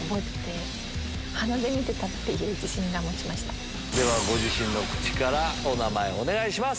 本当に⁉ではご自身の口からお名前お願いします。